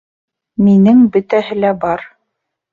Минең бөтәһе лә бар